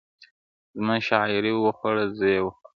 زما شاعري وخوړه زې وخوړم.